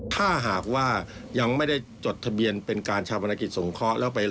จากการนำเสนอเปิดโปร่งขบวนการชาปนักกิจเถื่อน